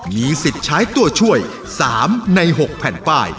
มีสิทธิ์ใช้ตัวช่วย๓ใน๖แผ่นป้าย